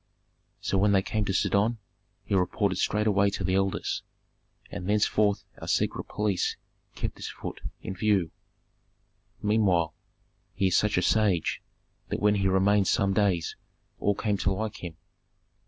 "So when they came to Sidon he reported straightway to the elders, and thenceforth our secret police kept this Phut in view. "Meanwhile he is such a sage that when he had remained some days all came to like him.